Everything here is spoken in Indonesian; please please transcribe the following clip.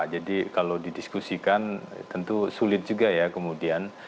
jadi kalau didiskusikan tentu sulit juga ya kemudian